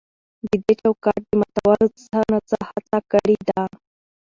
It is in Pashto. د دې چوکاټ د ماتولو څه نا څه هڅه کړې ده.